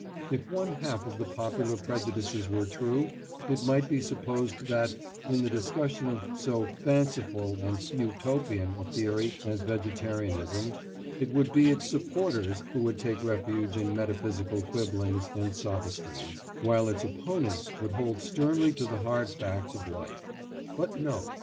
If one half of the popular prejudices were true, it might be supposed that, in the discussion of so "fanciful" and "Utopian" a theory as vegetarianism it would be its supporters who would take refuge in metaphysical quibblings and sophistries, while its opponents would hold sternly to the hard facts of life. But no!